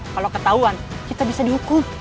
kalau ketahuan kita bisa dihukum